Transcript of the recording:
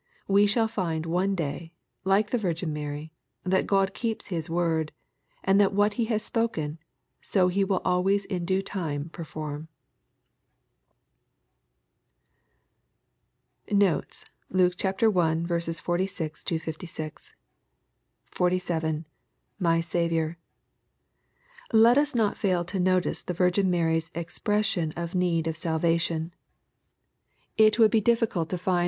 We shall find one day, like the Virgin Mary, that God keeps His word, and that what He has spoken, so He will always in due time perform. Notes. Luke I. 46 — 56. i7. — [Mf/ Siiviou\] Let us not fail to notice the Virgin Mary's e]q>ressions of need of ttJyation. It would be difficult to find LUKE.